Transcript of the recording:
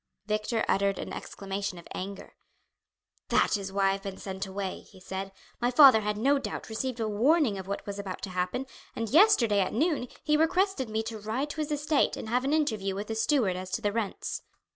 Victor uttered an exclamation of anger. "That is why I have been sent away," he said. "My father had no doubt received a warning of what was about to happen, and yesterday at noon he requested me to ride to his estate and have an interview with the steward as to the rents.